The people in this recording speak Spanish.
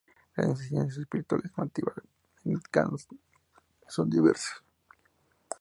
Las enseñanzas espirituales nativo-americanas son diversas.